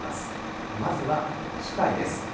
しまずは機会です。